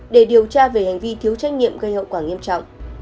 để điều tra về hành vi thiếu trách nhiệm gây hậu quả nghiêm trọng